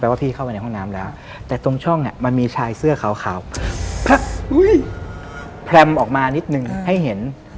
ว่าพี่เข้าไปในห้องน้ำแล้วแต่ตรงช่องเนี่ยมันมีชายเสื้อขาวแพรมออกมานิดนึงให้เห็น